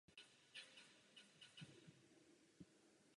Sedmdesát procent zničených iráckých tanků bylo zničeno zbraněmi jiného typu.